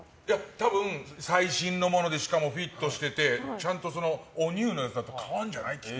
多分最新のものでしかもフィットしてておニューのやつだと変わるんじゃない？